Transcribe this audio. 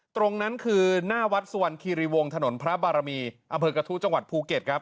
ตรงนั้นคือหน้าวัดสวรรคีรีวงถนนพระบารมีอำเภอกระทู้จังหวัดภูเก็ตครับ